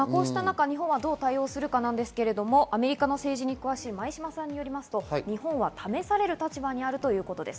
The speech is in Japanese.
日本はどう対応するかですが、アメリカの政治に詳しい前嶋さんによると、日本は試される立場にあるということです。